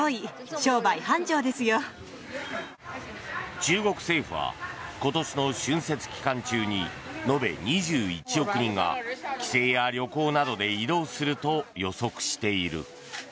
中国政府は今年の春節期間中に延べ２１億人が帰省や旅行などで移動すると予測している。